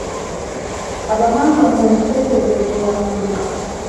Abahanga mu mitekerereze ya muntu,